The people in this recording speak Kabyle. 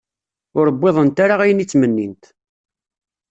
Ur wwiḍent ara ayen i ttmennint.